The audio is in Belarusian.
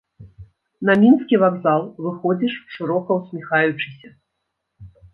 На мінскі вакзал выходзіш шырока ўсміхаючыся.